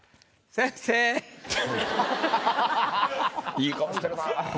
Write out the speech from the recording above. いい顔してるなぁ。